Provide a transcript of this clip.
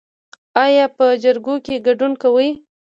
ایا په جرګو کې ګډون کوئ؟